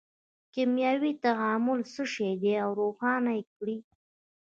کیمیاوي تعامل څه شی دی او روښانه یې کړئ.